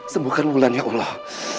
sembukalah ulan ya allah